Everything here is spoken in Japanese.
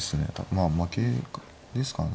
まあ負けですかね。